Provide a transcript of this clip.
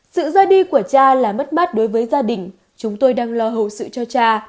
sự ra đi của cha là mất mát đối với gia đình chúng tôi đang lo hậu sự cho cha